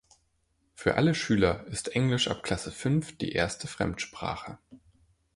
Für alle Schüler ist Englisch ab Klasse fünf die erste Fremdsprache.